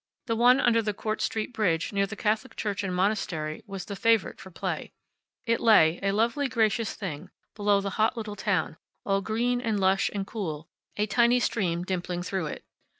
The one under the Court Street bridge, near the Catholic church and monastery, was the favorite for play. It lay, a lovely, gracious thing, below the hot little town, all green, and lush, and cool, a tiny stream dimpling through it.